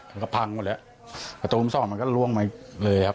มันก็พังหมดแล้วประตูมุมสองมันก็ล่วงมาเลยครับ